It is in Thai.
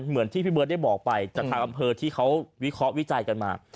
เหมือนที่พี่เบิร์ตได้บอกไปจากทางอำเภอที่เขาวิเคราะห์วิจัยกันมา